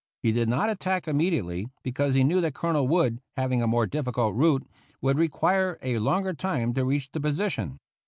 He did not attack immediately, because he knew that Colonel Wood, having a more difficult route, would require a longer time to reach the position.